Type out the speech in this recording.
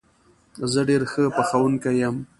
زه ډېر ښه پخوونکی یم